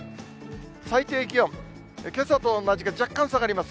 最低気温、けさと同じか、若干下がります。